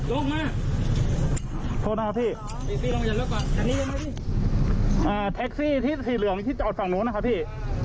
ลงมาโทษนะครับพี่แท็กซี่ที่สีเหลืองที่จอดฝั่งนู้นนะครับพี่